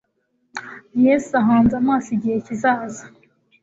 Yesu ahanze amaso igihe kizaza,